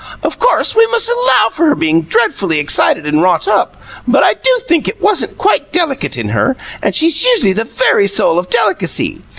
"Of course we must allow for her being dreadfully excited and wrought up, but I do think it wasn't quite delicate in her, and she's usually the very soul of delicacy.